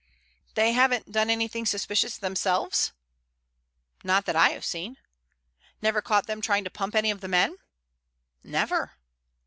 "They haven't done anything suspicious themselves?" "Not that I have seen." "Never caught them trying to pump any of the men?" "Never."